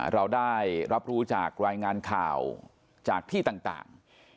เราได้รับรู้จากรายงานข่าวจากที่ต่าง